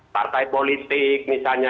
partai politik misalnya